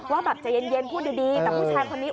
ว่าแบบใจเย็นพูดดีแต่ผู้ชายคนนี้